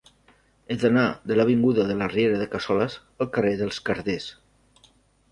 He d'anar de l'avinguda de la Riera de Cassoles al carrer dels Carders.